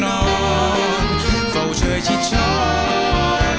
ร้อนฝ่าเชื่อชิดช้อน